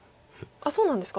そうなんですか？